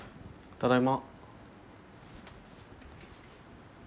ただいま。